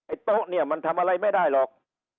โต๊ะเนี่ยมันทำอะไรไม่ได้หรอก